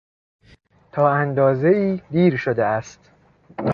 تا اندازهای دیر شده است.